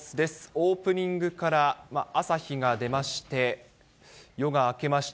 オープニングから朝日が出まして、夜が明けました。